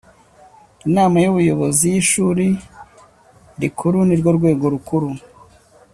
Inama y ‘Ubuyobozi y’ ishuri rikuru ni rwo rwego rukuru.